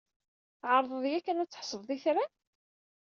Tɛerḍeḍ yakan ad tḥesbeḍ itran?